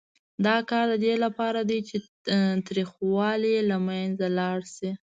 دا کار د دې لپاره دی چې تریخوالی یې له منځه لاړ شي.